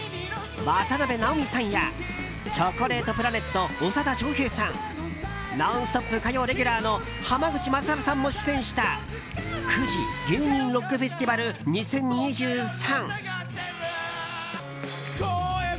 渡辺直美さんやチョコレートプラネット長田庄平さん「ノンストップ！」火曜レギュラーの濱口優さんも出演したフジ芸人ロックフェスティバル２０２３。